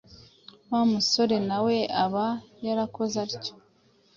Wa musore na we aba yarakoze atyo.